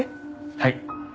はい。